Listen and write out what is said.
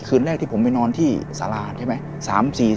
คืนแรกที่ผมไปนอนที่สาราใช่ไหม